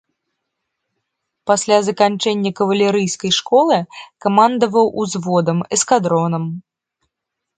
Пасля заканчэння кавалерыйскай школы камандаваў узводам, эскадронам.